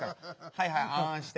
はいはいあんして。